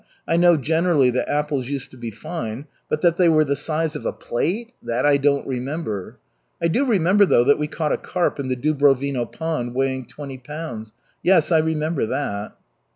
I know generally that apples used to be fine, but that they were the size of a plate, that I don't remember. I do remember though, that we caught a carp in the Dubrovino pond weighing twenty pounds, yes, I remember that."